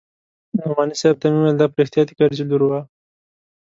نعماني صاحب ته مې وويل دا په رښتيا د کرزي لور وه.